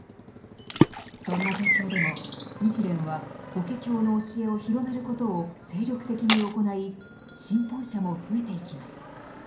そんな状況でも日蓮は「法華経」の教えを広めることを精力的に行い信奉者も増えていきます。